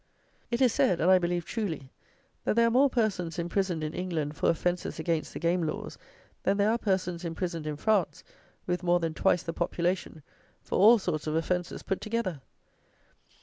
It is said, and, I believe truly, that there are more persons imprisoned in England for offences against the game laws, than there are persons imprisoned in France (with more than twice the population) for all sorts of offences put together.